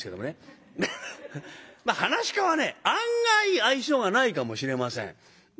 まあ噺家はね案外愛想がないかもしれません。